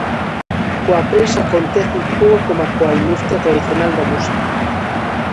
Coa prensa acontece un pouco coma coa industria tradicional da música.